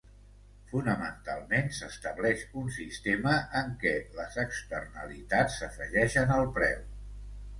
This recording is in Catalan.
Fonamentalment s'estableix un sistema en què les externalitats s'afegeixen al preu.